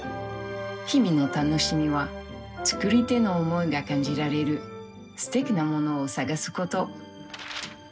日々の楽しみは作り手の思いが感じられるすてきなものを探すこと。